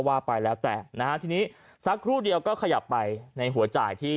ว่าไปแล้วแต่นะฮะทีนี้สักครู่เดียวก็ขยับไปในหัวจ่ายที่